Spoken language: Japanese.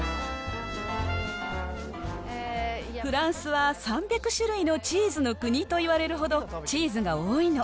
フランスは３００種類のチーズの国といわれるほどチーズが多いの。